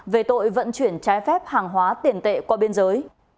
về tội vận chuyển trái phép hàng hóa tiền tệ qua biên giới